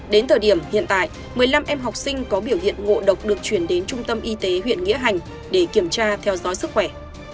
đến thời điểm hiện tại một mươi năm em học sinh có biểu hiện ngộ độc được chuyển đến trung tâm y tế huyện nghĩa hành để kiểm tra theo dõi sức khỏe